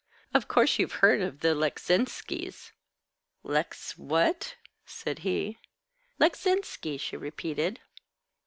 Of course, you've heard of the Leczinskis?" "Lecz what?" said he. "Leczinski," she repeated.